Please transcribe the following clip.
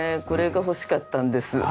これが欲しかったんです。